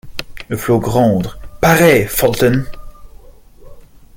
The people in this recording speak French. Le flot gronde ; parais, Fulton!